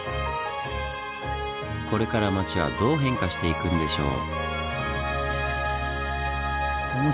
これから街はどう変化していくんでしょう。